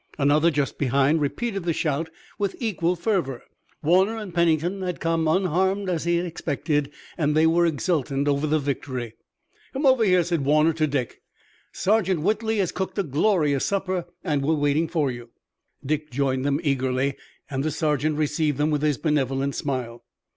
Another just behind repeated the shout with equal fervor. Warner and Pennington had come, unharmed as he had expected, and they were exultant over the victory. "Come over here," said Warner to Dick. "Sergeant Whitley has cooked a glorious supper and we're waiting for you." Dick joined them eagerly, and the sergeant received them with his benevolent smile.